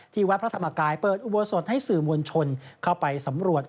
วัดพระธรรมกายเปิดอุโบสถให้สื่อมวลชนเข้าไปสำรวจ